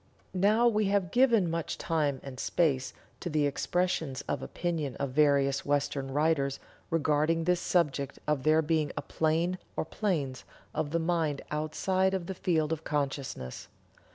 Now we have given much time and space to the expressions of opinion of various Western writers regarding this subject of there being a plane or planes of the mind outside of the field of consciousness.